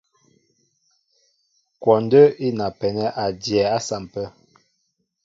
Kwɔndə́ í napɛnɛ́ a dyɛɛ á sampə̂.